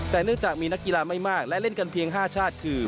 แต่เนื่องจากมีนักกีฬาไม่มากและเล่นกันเพียง๕ชาติคือ